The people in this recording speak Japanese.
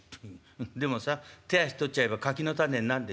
「でもさ手足取っちゃえば柿の種になるでしょ」。